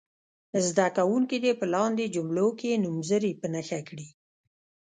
زده کوونکي دې په لاندې جملو کې نومځري په نښه کړي.